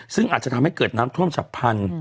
ซึ่งอาจจะทำให้เกิดน้ำท่วมฉับพันธุ